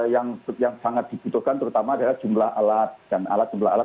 yang sangat dibutuhkan terutama adalah jumlah alat